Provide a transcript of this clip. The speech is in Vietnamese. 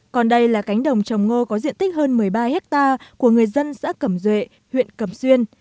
còn đây là cánh đồng trồng ngô có diện tích hơn một mươi ba hectare của người dân xã cẩm duệ huyện cẩm xuyên